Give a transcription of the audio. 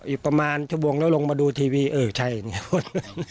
อีกประมาณชั่วโมงแล้วลงมาดูทีวีเออใช่อย่างนี้